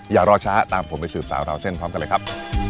อย่ารอช้าตามผมไปสืบสาวราวเส้นพร้อมกันเลยครับ